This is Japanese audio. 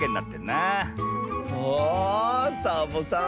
あサボさん